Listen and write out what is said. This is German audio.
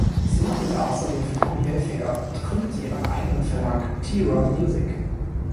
Sie modelte außerdem für Tommy Hilfiger und gründete ihren einen eigenen Verlag, "T-Ron Music".